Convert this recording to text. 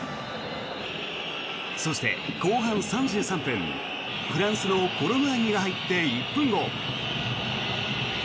そして、後半３３分フランスのコロムアニが入って１分後。